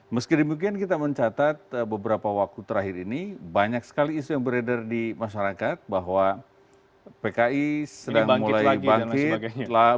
meski demikian kita mencatat beberapa waktu terakhir ini banyak sekali isu yang beredar di masyarakat bahwa pki sudah mulai bangkit